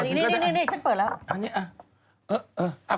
นี่ฉันเปิดแล้ว